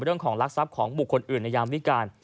เรื่องของลักษัพของบุคคลอื่นในยามวิการ